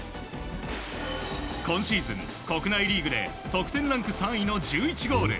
今シーズン国内リーグで得点ランク３位の１１ゴール。